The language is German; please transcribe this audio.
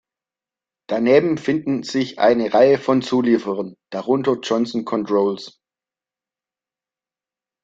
Daneben finden sich eine Reihe von Zulieferern, darunter Johnson Controls.